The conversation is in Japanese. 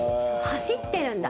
走ってるんだ。